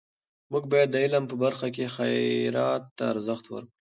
موږ باید د علم په برخه کې خیرات ته ارزښت ورکړو.